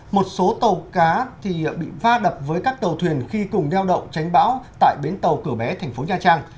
một số tàu cá bị va đập với các tàu thuyền khi cùng đeo động tránh bão tại bến tàu cửa bé tp nha trang